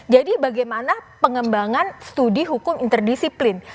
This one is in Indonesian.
bagaimana pengembangan studi hukum interdisiplin